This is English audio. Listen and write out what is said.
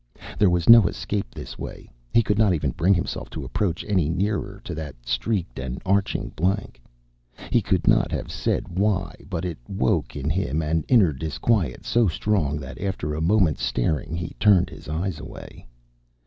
There was no escape this way. He could not even bring himself to approach any nearer to that streaked and arching blank. He could not have said why, but it woke in him an inner disquiet so strong that after a moment's staring he turned his eyes away.